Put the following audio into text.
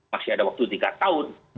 masih ada waktu tiga tahun